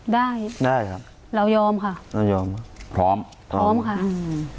ได้ได้ครับเรายอมค่ะเรายอมพร้อมค่ะอืม